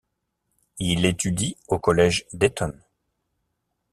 Il étudie au collège d'Eton.